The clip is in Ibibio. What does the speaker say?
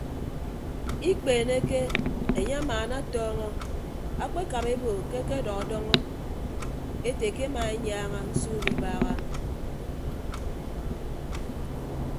Ikpeeneke enye amaanatọọñọ akpekap ebo ke akedọdọñọ ete ke ema enyaaña nsuuk ibaaha.